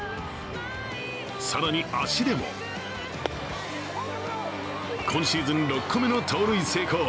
更に足でも今シーズン６個目の盗塁成功。